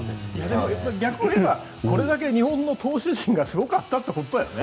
逆を言えばこれだけ日本の投手陣がすごかったということだよね。